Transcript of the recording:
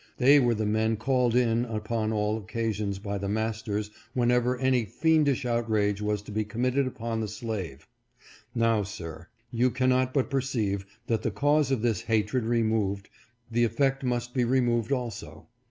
They were the men called in upon all occasions by the masters whenever any fiendish out rage was to be committed upon the slave. Now, sir, you cannot but perceive, that the cause of this hatred removed, the effect must be re moved also.